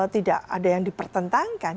tidak ada yang dipertentangkan